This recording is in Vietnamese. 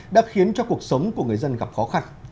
đã khiến cho cuộc sống của người dân gặp khó khăn